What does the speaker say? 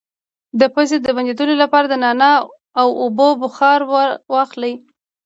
د پوزې د بندیدو لپاره د نعناع او اوبو بخار واخلئ